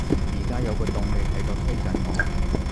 而家有個動力喺度推緊我